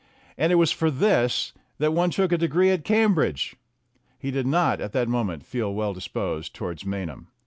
And it was for this that one took a degree at Cambridge! He did not at the moment feel well dis posed towards Maynham.